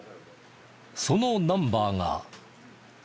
そのナンバーが。